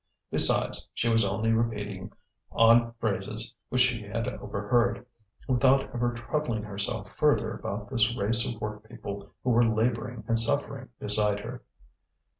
Besides, she was only repeating odd phrases which she had overheard, without ever troubling herself further about this race of workpeople who were labouring and suffering beside her.